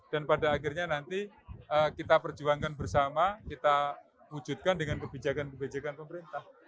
dan pada akhirnya nanti kita perjuangkan bersama kita wujudkan dengan kebijakan kebijakan pemerintah